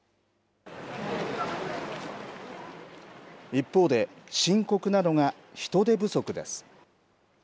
一方で、深刻なのが人手不足です。